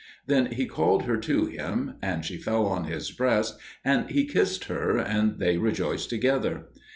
Then he called her to him, and she fell on his breast and he kissed her, and they rejoiced together.